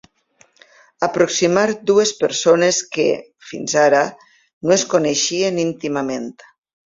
Aproximar dues persones que, fins ara, no es coneixien íntimament.